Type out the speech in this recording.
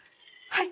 はい。